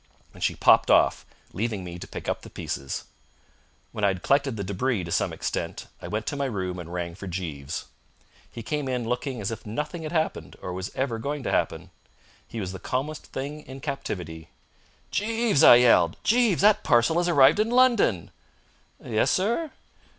And she popped off, leaving me to pick up the pieces. When I had collected the debris to some extent I went to my room and rang for Jeeves. He came in looking as if nothing had happened or was ever going to happen. He was the calmest thing in captivity. "Jeeves!" I yelled. "Jeeves, that parcel has arrived in London!" "Yes, sir?"